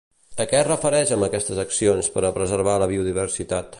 A què es refereix amb aquestes accions per a preservar la biodiversitat?